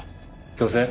強制？